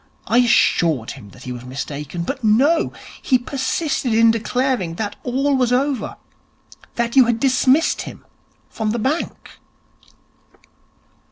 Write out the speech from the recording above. I assured him that he was mistaken, but no! He persisted in declaring that all was over, that you had dismissed him from the bank.'